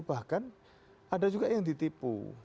bahkan ada juga yang ditipu